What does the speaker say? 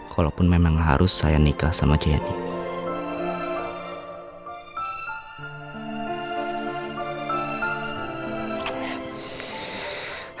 kalaupun memang harus saya nikah sama jayadi